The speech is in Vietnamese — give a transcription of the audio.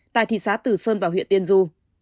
tại thị xá từ sơn và huyện tiên du